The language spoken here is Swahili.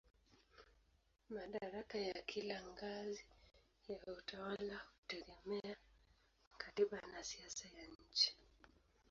Madaraka ya kila ngazi ya utawala hutegemea katiba na siasa ya nchi.